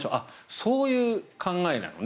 そういう考えなのね。